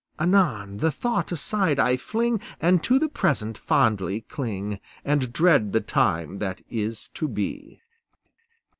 Anon the thought aside I fling, And to the present fondly cling, And dread the time that is to be."